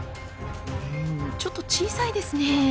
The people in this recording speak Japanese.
うんちょっと小さいですね。